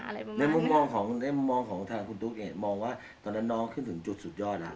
ในมองของทางคุณทุกข์เองมองว่าตอนนั้นน้องขึ้นถึงจุดสุดยอดอะ